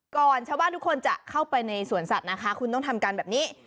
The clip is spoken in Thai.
ชาวบ้านทุกคนจะเข้าไปในสวนสัตว์นะคะคุณต้องทำการแบบนี้